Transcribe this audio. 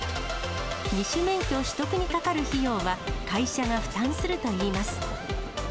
二種免許取得にかかる費用は、会社が負担するといいます。